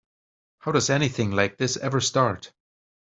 How does anything like this ever start?